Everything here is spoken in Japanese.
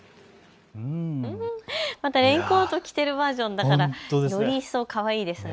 レインコート着てるバージョンだから、より一層かわいいですね。